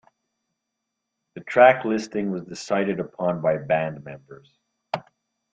The track listing was decided upon by band members.